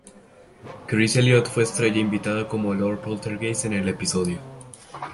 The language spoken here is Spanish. Chris Elliott fue estrella invitada como Lord Poltergeist en el episodio.